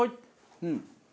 うん。